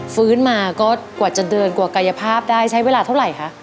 ฟื้นมาก็กว่าจะเดินกว่ากายภาพได้ใช้เวลาเท่าไหร่คะ